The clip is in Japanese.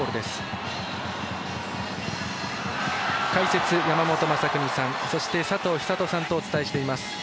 解説、山本昌邦さんそして佐藤寿人さんとお伝えしています。